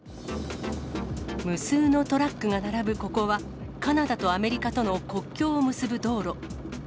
無数のトラックが並ぶここは、カナダとアメリカとの国境を結ぶ道路。